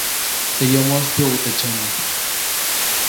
Teʼ yomoʼis pyuʼu teʼ tsyami.